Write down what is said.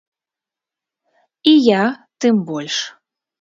І я тым больш.